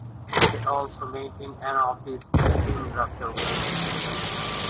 They also maintain an office in Brussels.